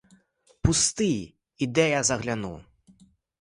Пусти, іде я загляну!